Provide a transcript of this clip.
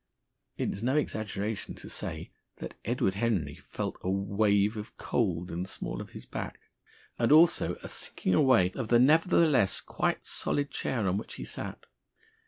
It is no exaggeration to say that Edward Henry felt a wave of cold in the small of his back, and also a sinking away of the nevertheless quite solid chair on which he sat.